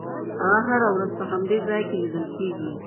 هغه هره ورځ په همدې ځای کې لیدل کېږي.